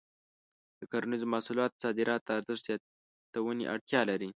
د کرنیزو محصولاتو صادرات د ارزښت زیاتونې اړتیا لري.